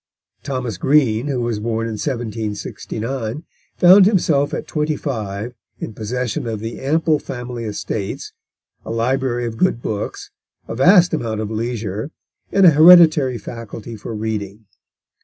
Thomas Green, who was born in 1769, found himself at twenty five in possession of the ample family estates, a library of good books, a vast amount of leisure, and a hereditary faculty for reading.